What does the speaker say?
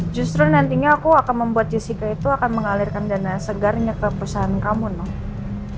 justru nantinya aku akan membuat jessica itu akan mengalirkan dana segarnya ke perusahaan kamu dong